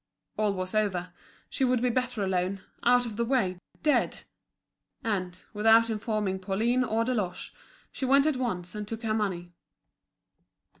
All was over, she would be better alone, out of the way, dead! And, without informing Pauline or Deloche, she went at once and took her money.